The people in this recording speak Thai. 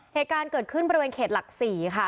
เหตุการณ์เกิดขึ้นบริเวณเขตหลัก๔ค่ะ